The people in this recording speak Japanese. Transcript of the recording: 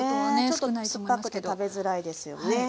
ちょっと酸っぱくて食べづらいですよね。